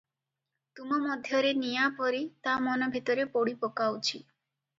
ତୁମ ମଧ୍ୟରେ ନିଆଁ ପରି ତା ମନ ଭିତରେ ପୋଡ଼ି ପକାଉଛି ।